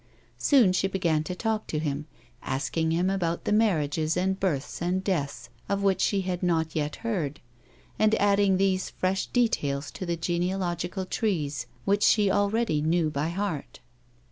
Soon she began to talk to him, asking him about the marriages and births and deaths of which she had not yet heard, and adding these fresh details to the genealogical trees which she already knew by heart.